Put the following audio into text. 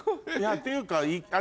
っていうか。